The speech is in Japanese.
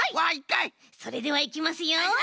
それではいきますよ。